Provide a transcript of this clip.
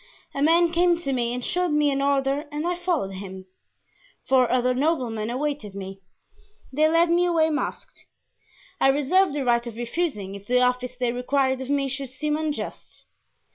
A man came to me and showed me an order and I followed him. Four other noblemen awaited me. They led me away masked. I reserved the right of refusing if the office they required of me should seem unjust.